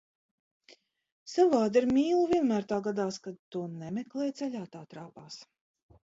Savādi, ar mīlu vienmēr tā gadās, kad to nemeklē, ceļā tā trāpās.